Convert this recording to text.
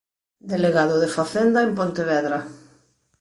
Delegado de Facenda en Pontevedra.